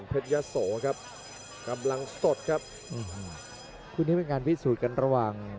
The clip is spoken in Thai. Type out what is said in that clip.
ยะโสครับกำลังสดครับคู่นี้เป็นการพิสูจน์กันระหว่าง